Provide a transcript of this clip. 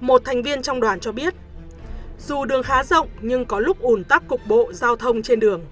một thành viên trong đoàn cho biết dù đường khá rộng nhưng có lúc ủn tắc cục bộ giao thông trên đường